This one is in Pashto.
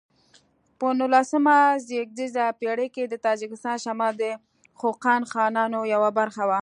په نولسمه زېږدیزه پیړۍ کې د تاجکستان شمال د خوقند خانانو یوه برخه و.